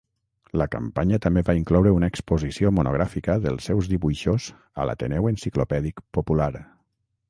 La campanya també va incloure una exposició monogràfica dels seus dibuixos a l'Ateneu Enciclopèdic Popular.